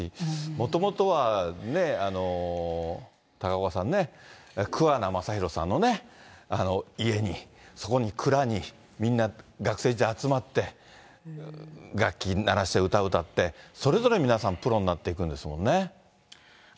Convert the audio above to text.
もともとはね、高岡さんね、桑名正博さんのね、家に、そこに蔵に、みんな学生時代集まって、楽器鳴らして、歌歌って、それぞれ皆さんプロになっていくんですもんね。